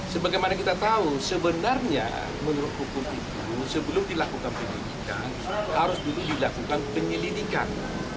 sebagaimana kita tahu sebenarnya menurut hukum itu sebelum dilakukan penyelidikan harus dulu dilakukan penyelidikan